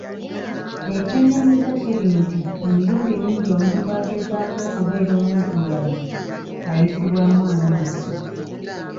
Ekyennyamiza kiri nti emirundi mingi omuntu agezaako okubeera omuntumulamu, ayisibwamu amaaso